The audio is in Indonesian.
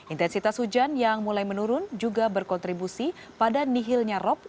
intensitas hujan yang mulai menurun juga berkontribusi pada nihilnya rop